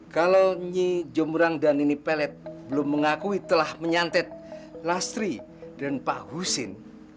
kalau nyi jombrang dan ini pelet belum mengakui telah menyantet lastri dan pak husin